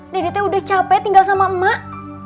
dedetnya udah capek tinggal sama emak